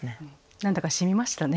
何だかしみましたね。